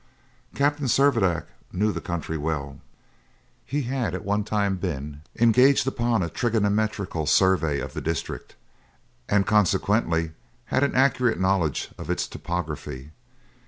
Captain Servadac knew the country well; he had at one time been engaged upon a trigonometrical survey of the district, and consequently had an accurate knowledge of its topography.